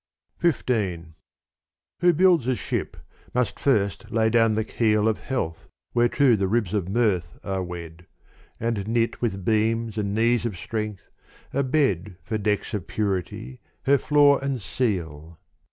XV WHO builds a ship must first lay down the keel Of health, whereto the ribs of mirth are wed And knit with beams and knees of strength, a bed For decks of purity, her floor and ceil.